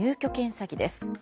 詐欺です。